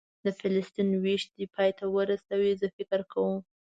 د فلسطین وېش دې پای ته ورسوي، زه فکر کوم.